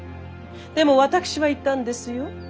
でも私は言ったんですよ。